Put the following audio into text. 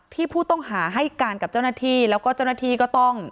ผู้ต้องหาให้การกับเจ้าหน้าที่แล้วก็เจ้าหน้าที่ก็ต้อง